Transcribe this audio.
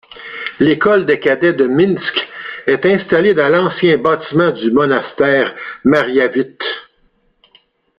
L'école des cadets de Minsk est installée dans l'ancien bâtiment du monastère mariavite.